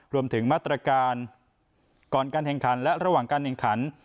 รวมถึงมาตรการก่อนการแข่งขันและระหว่างการแข่งขัน